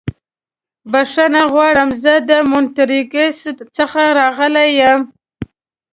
بښنه غواړم. زه د مونټریکس څخه راغلی یم.